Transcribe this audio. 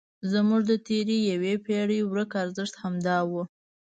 زموږ د تېرې یوې پېړۍ ورک ارزښت همدا و.